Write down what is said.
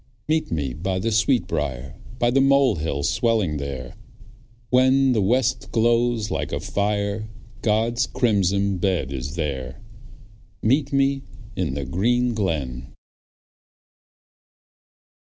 Meet me by the sweetbriar, By the mole hill swelling there; When the west glows like a fire God's crimson bed is there. Meet me in the green glen.